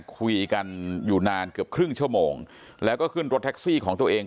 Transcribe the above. คุยกันอยู่นานเกือบครึ่งชั่วโมงแล้วก็ขึ้นรถแท็กซี่ของตัวเอง